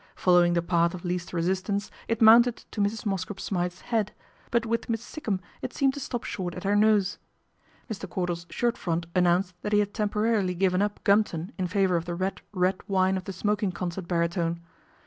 Following the path of least resistance, it mounted to Mrs. Mosscrop Smythe's head ; but with Miss Sikkum it seemed to stop short at her nose. Mr. Cordal's shirt front announced that 200 PATRICIA BRENT, SPINSTER he had temporarily given up Gumton in favour of the red, red wine of the smoking concert bari tone.